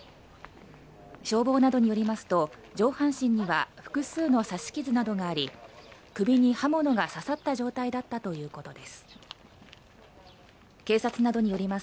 消防などによりますと上半身には複数の刺し傷などがあり首に刃物が刺さった状態だったということです。